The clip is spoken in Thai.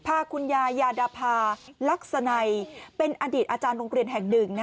พาคุณยายยาดาภาลักษณัยเป็นอดีตอาจารย์โรงเรียนแห่งหนึ่ง